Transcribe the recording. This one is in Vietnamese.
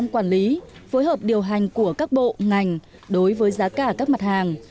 quản lý phối hợp điều hành của các bộ ngành đối với giá cả các mặt hàng